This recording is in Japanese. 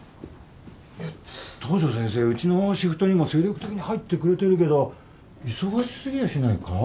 東上先生うちのシフトにも精力的に入ってくれてるけど忙し過ぎやしないか？